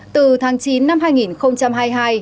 từ tháng chín năm hai nghìn hai mươi hai